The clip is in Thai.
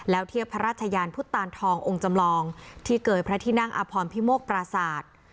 แล้วเทียบพระราชยานพุทธตานทององค์จำลองที่เกยพระที่นั่งอพรพิโมกปราศาสตร์